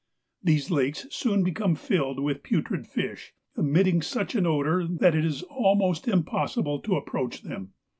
These lakes soon become filled with putrid fish, emit ting such an odour that it is almost impossible to ap proach them.